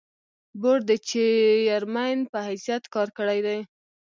بورډ د چېرمين پۀ حېثيت کار کړے دے ۔